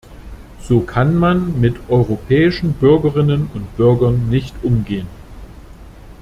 So kann man mit europäischen Bürgerinnen und Bürgern nicht umgehen!